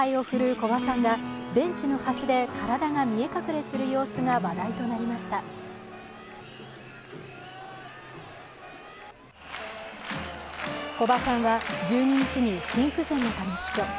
古葉さんは１２日に心不全のため死去。